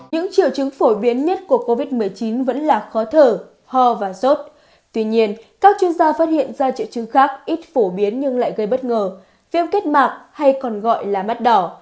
những triệu chứng phổ biến nhất của covid một mươi chín vẫn là khó thở ho và sốt tuy nhiên các chuyên gia phát hiện ra triệu chứng khác ít phổ biến nhưng lại gây bất ngờ viêm kết mạc hay còn gọi là mắt đỏ